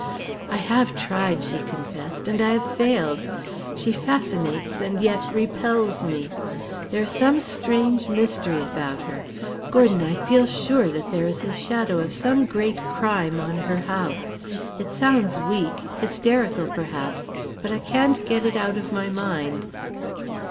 "I have tried," she confessed, "and I have failed. She fascinates and yet repels me. There is some strange mystery about her. Gordon, I feel sure that there is the shadow of some great crime on her house. It sounds weak, hysterical, perhaps, but I can't get it out of my mind."